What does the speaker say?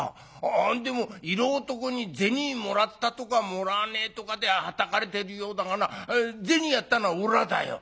何でも色男に銭もらったとかもらわねえとかではたかれてるようだがな銭やったのはおらだよ。